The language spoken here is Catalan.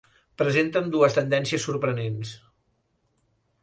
Presenten dues tendències sorprenents.